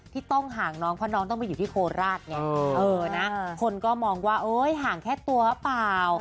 ที่ต้องห่างน้องเพราะน้องต้องไปอยู่ที่โคราชไงคนก็มองว่าห่างแค่ตัวหรือเปล่า